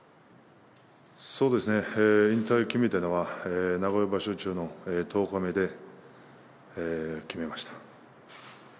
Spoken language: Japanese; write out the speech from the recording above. そうですね、引退を決めたのは、名古屋場所中の１０日目で、決めました。